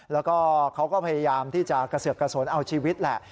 แล้วก็เขาก็พยายามที่จะกระเสือกกระสนเอาชีวิตแหละ